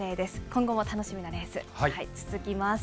今後も楽しみなレース続きます。